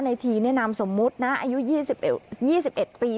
ในทีแนะนำสมมุตินะอายุยี่สิบเอ่อยี่สิบเอ็ดปี